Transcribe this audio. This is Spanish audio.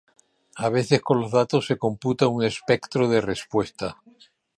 A veces, con los datos, se computa un espectro de respuesta.